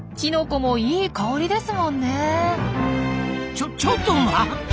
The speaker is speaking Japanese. ちょちょっと待った！